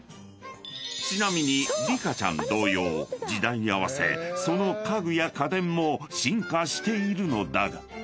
［ちなみにリカちゃん同様時代に合わせその家具や家電も進化しているのだが］